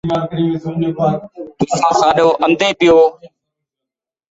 Mary was "in service" with the countess for over twenty years.